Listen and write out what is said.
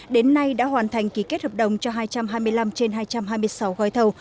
đến nay đã hoàn thành ký kết hợp đồng cho hai trăm hai mươi năm trên hai trăm hai mươi sáu gói thầu